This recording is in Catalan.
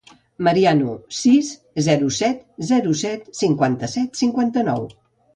Apunta a l'agenda el número del Thiago Mariano: sis, zero, set, zero, set, cinquanta-set, cinquanta-nou.